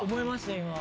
今。